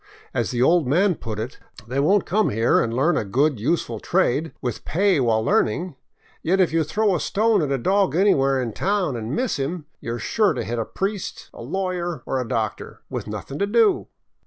As the old man put it, They won't come here and learn a good, useful trade, with pay while learning; yet if you throw a stone at a dog anywhere in town and miss him, you are sure to hit a priest, a lawyer, or a doctor — with nothing to do."